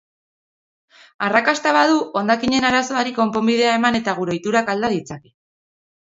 Arrakasta badu, hondakinen arazoari konponbidea eman eta gure ohiturak alda ditzake.